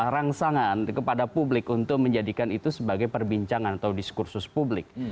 rangsangan kepada publik untuk menjadikan itu sebagai perbincangan atau diskursus publik